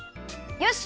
よし！